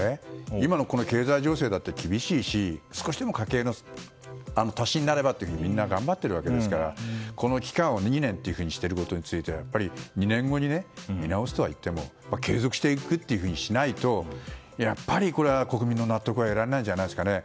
今の経済情勢だって厳しいし少しでも家計の足しになればとみんな頑張っているわけですからこの期間を２年にしているということについてやっぱり２年後に見直すとはいっても継続していくというふうにしないと、やっぱりこれは国民の納得は得られないんじゃないですかね。